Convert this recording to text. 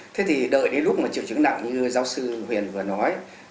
thế thì đợi đến lúc mà triệu chứng nặng như giáo sư huyền vừa nói